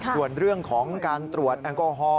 ส่วนเรื่องของการตรวจแอลกอฮอล